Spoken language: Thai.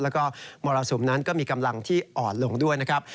แล้วก็มรสุมนั้นก็มีกำลังที่อ่อนลงด้วยนะครับ